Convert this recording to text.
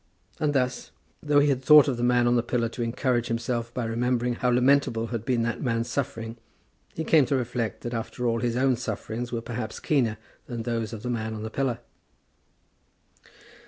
And thus, though he had thought of the man on the pillar to encourage himself by remembering how lamentable had been that man's suffering, he came to reflect that after all his own sufferings were perhaps keener than those of the man on the pillar.